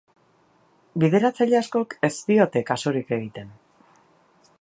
Bideratzaile askok ez diote kasurik egiten.